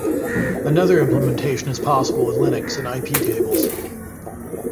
Another implementation is possible with Linux and iptables.